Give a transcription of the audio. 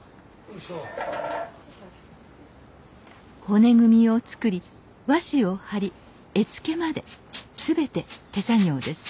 骨組みを作り和紙を貼り絵付けまで全て手作業です